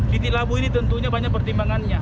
titik labu ini tentunya banyak pertimbangannya